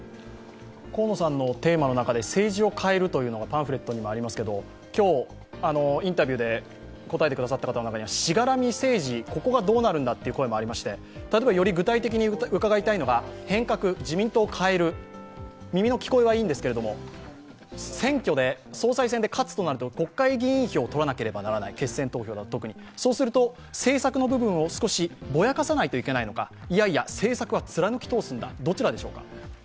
河野さんのテーマの中で「政治を変える」というのがパンフレットにもありますけど、今日、インタビューで答えてくださった方の中にはしがらみ政治がどうなるんだという声もありまして例えばより具体的に伺いたいのが変革、自民党を変える、耳の聞こえはいいんですけど選挙で勝つとなると国会議員票を取らなければならない、決選投票だと特に、そうすると政策の部分を少しぼやかさないといけないのか、いやいや政策は貫き通すんだ、どちらでしょうか。